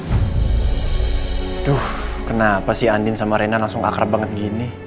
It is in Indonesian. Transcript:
aduh kenapa si andin sama rena langsung akrab banget gini